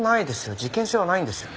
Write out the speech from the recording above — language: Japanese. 事件性はないんですよね？